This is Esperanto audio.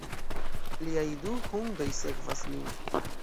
Liaj du hundoj sekvas lin.